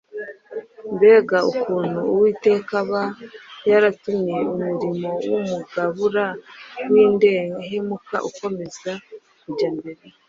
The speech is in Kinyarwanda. Mbega ukuntu Uwiteka aba yaratumye umurimo w’umugabura w’indahemuka ukomeza kujya mbere